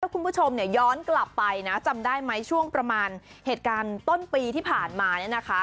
คุณผู้ชมเนี่ยย้อนกลับไปนะจำได้ไหมช่วงประมาณเหตุการณ์ต้นปีที่ผ่านมาเนี่ยนะคะ